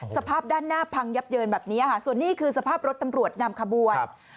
สภาพด้านหน้าพังยับเยินแบบนี้ค่ะส่วนนี้คือสภาพรถตำรวจนำขบวน